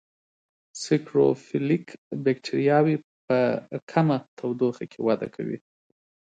سیکروفیلیک بکټریاوې په کمه تودوخه کې وده کوي.